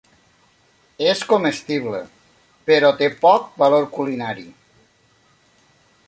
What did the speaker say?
És comestible però té poc valor culinari.